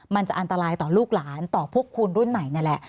มันจะอันตรายต่อลูกหลานต่อพวกคุณรุ่นใหม่นั่นแหละ